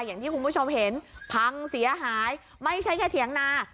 อย่างที่คุณผู้ชมเห็นพังเสียหายไม่ใช่แค่เถียงนา